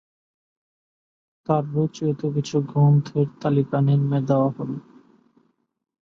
তার রচিত কিছু গ্রন্থের তালিকা নিম্নে দেয়া হল।